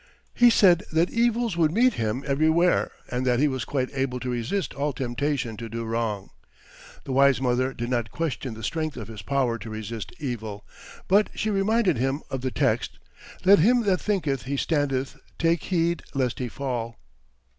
He said that evils would meet him everywhere, and that he was quite able to resist all temptation to do wrong. The wise mother did not question the strength of his power to resist evil, but she reminded him of the text, "Let him that thinketh he standeth take heed lest he fall."